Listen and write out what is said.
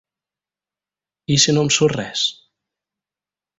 I si no em surt res?